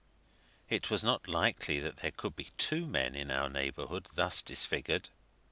It was not likely there could be two men in our neighbourhood thus disfigured.